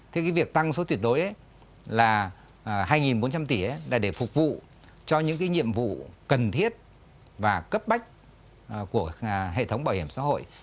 thế cái việc tăng số tuyệt đối là hai bốn trăm linh tỷ là để phục vụ cho những cái nhiệm vụ cần thiết và cấp bách của hệ thống bảo hiểm xã hội